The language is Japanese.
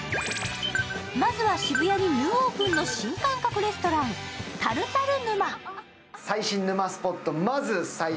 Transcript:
まずは渋谷にニューオープンの新感覚レストラン、タルタルＮＵＭＡ。